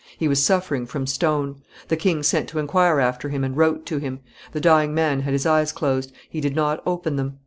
He was suffering from stone; the king sent to inquire after him and wrote to him. The dying man had his eyes closed; he did not open them.